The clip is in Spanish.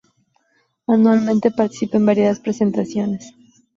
Anualmente participa en variadas presentaciones.